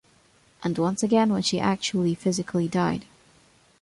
And once again when she actually physically died.